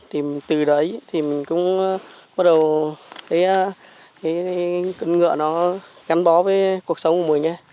thì từ đấy thì mình cũng bắt đầu thấy cái ngựa nó gắn bó với cuộc sống của mình ấy